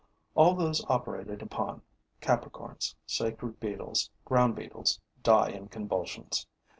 All those operated upon, Capricorns, sacred beetles, ground beetles, die in convulsions.